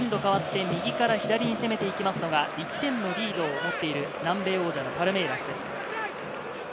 エンド変わって左に攻めて行きますのが、１点のリードを持っている南米王者パルメイラスです。